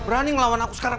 rani kalau ngaku sekarang